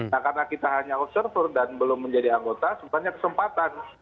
nah karena kita hanya observer dan belum menjadi anggota sebenarnya kesempatan